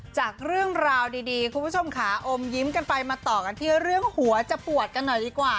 จากเรื่องราวดีคุณผู้ชมค่ะอมยิ้มกันไปมาต่อกันที่เรื่องหัวจะปวดกันหน่อยดีกว่า